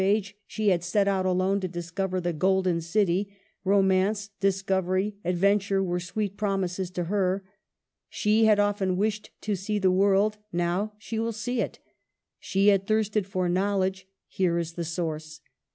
age she had set out alone to discover the Golden City, romance, discovery, adventure, were sweet promises to her. She had often wished to see the world ; now she will see it. She had thirsted for knowledge ; here is the source.